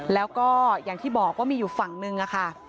แล้วก็อย่างที่บอกว่ามีอยู่ฝั่งนึงค่ะ